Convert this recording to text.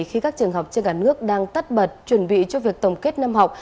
khi các trường học trên cả nước đang tắt bật chuẩn bị cho việc tổng kết năm học